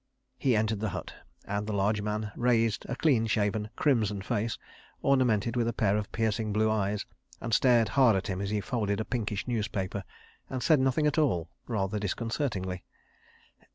... He entered the hut, and the large man raised a clean shaven crimson face, ornamented with a pair of piercing blue eyes, and stared hard at him as he folded a pinkish newspaper and said nothing at all, rather disconcertingly.